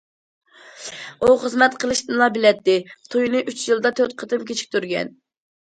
ئۇ خىزمەت قىلىشنىلا بىلەتتى، تويىنى ئۈچ يىلدا تۆت قېتىم كېچىكتۈرگەن.